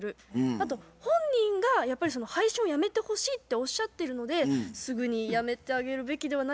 あと本人がやっぱりその配信をやめてほしいっておっしゃってるのですぐにやめてあげるべきではないかなと思いますね。